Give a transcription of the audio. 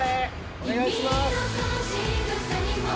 お願いします。